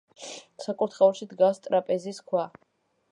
საკურთხეველში დგას ტრაპეზის ქვა.